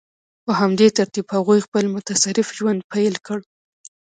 په همدې ترتیب هغوی خپل متصرف ژوند پیل کړ.